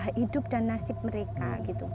dan itu adalah prinsip mereka